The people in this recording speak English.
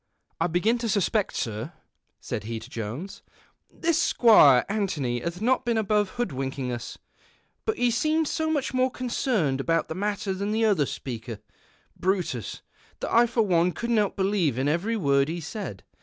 " I begin to suspect, Sir,"' said he to Jones, " this Squire Antony hath not been above hoodwinking us, but he seemed so nuich more concerned about the matter than the other speaker, Brutus, that I for one couldn't help believing every word he said.